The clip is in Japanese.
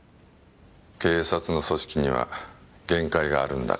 警察の組織には限界があるんだから。